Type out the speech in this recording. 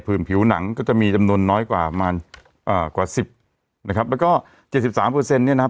ผิวหนังก็จะมีจำนวนน้อยกว่าประมาณอ่ากว่าสิบนะครับแล้วก็เจ็ดสิบสามเปอร์เซ็นต์เนี่ยนะครับ